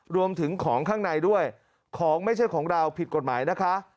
รวมถึงของข้างในด้วยของไม่ใช่ของเราผิดกฎหมายนะคะ